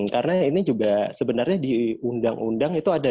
karena ini juga sebenarnya di undang undang itu ada